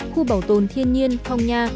khu bảo tồn thiên nhiên phong nha